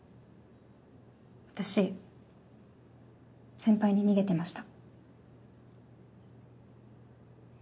私先輩に逃げてました。